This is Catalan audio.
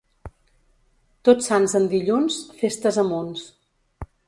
Tots Sants en dilluns, festes a munts.